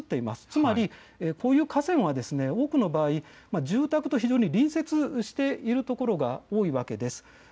つまりこういう家は多くの場合住宅と非常に隣接しているところが多いわけです。